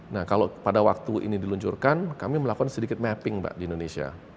nah kalau pada waktu ini diluncurkan kami melakukan sedikit mapping mbak di indonesia